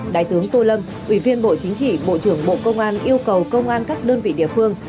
đại tướng tô lâm ủy viên bộ chính trị bộ trưởng bộ công an yêu cầu công an các đơn vị địa phương